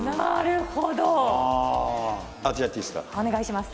お願いします。